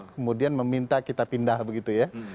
kemudian meminta kita pindah begitu ya